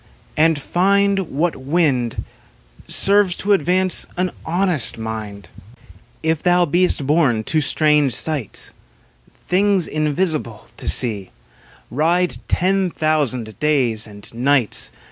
And find What wind Serves to advance an honest mind. If thou beest bom to strange sights. Things invisible to see, Ride ten thousand days and nights.